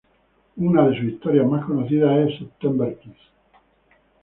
Una de sus historias más conocidas es "September Kiss".